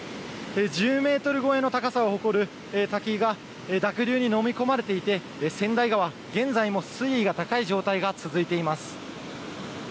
１０ｍ超えの高さを誇る滝が濁流にのみ込まれていて川内川は現在も水位が高い状態が続いています。